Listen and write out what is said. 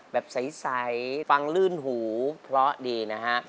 แบบใสฟังลื่นหูเพราะดีนะฮะ